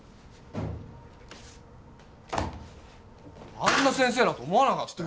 あんな先生だと思わなかったよ